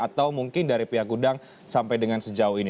atau mungkin dari pihak gudang sampai dengan sejauh ini